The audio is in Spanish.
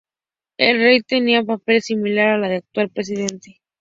El rey tenía un papel similar al del actual presidente.